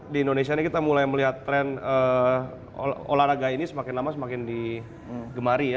di indonesia ini kita mulai melihat tren olahraga ini semakin lama semakin digemari ya